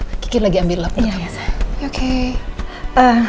mungkin ada sesuatu kayaknya